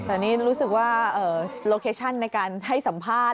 แต่นี่รู้สึกว่าโลเคชั่นในการให้สัมภาษณ์